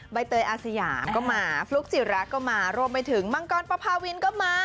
ใบเตยอาสยามก็มาฟลุ๊กจิระก็มารวมไปถึงมังกรปภาวินก็มา